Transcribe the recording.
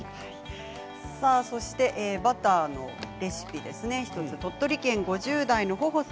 そしてバターのレシピ１つ鳥取県５０代の方です。